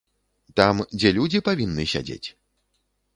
Там, дзе людзі павінны сядзець?